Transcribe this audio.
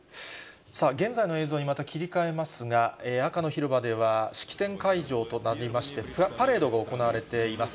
現在の映像にまた切り替えますが、赤の広場では式典会場となりまして、パレードが行われています。